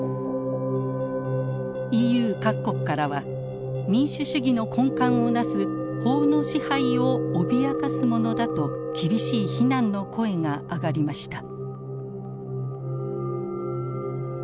ＥＵ各国からは民主主義の根幹を成す法の支配を脅かすものだと厳しい非難の声が上がりました。